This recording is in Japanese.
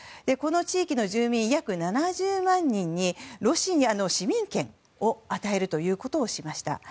この地域の住民約７０万人にロシアの市民権を与えるということをしました。